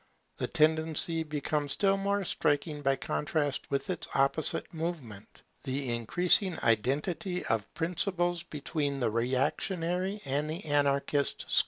The tendency becomes still more striking by contrast with an opposite movement, the increasing identity of principles between the reactionary and the anarchist schools.